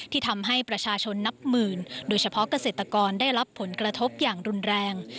ทำให้ประชาชนนับหมื่นโดยเฉพาะเกษตรกรได้รับผลกระทบอย่างรุนแรง